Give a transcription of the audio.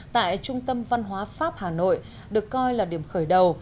tại trung tâm văn hóa pháp hà nội được coi là điểm khởi đầu